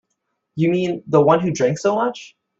You mean the one who drank so much?